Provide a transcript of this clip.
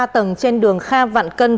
ba tầng trên đường kha vạn cân